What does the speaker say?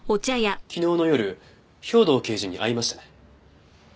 昨日の夜兵藤刑事に会いましたね？